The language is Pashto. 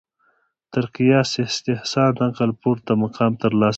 تر قیاس استحسان عقل پورته مقام ترلاسه کړ